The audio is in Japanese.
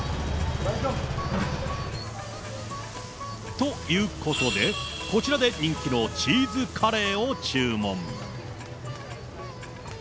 ということで、こちらで人気のチーズカレーを注文。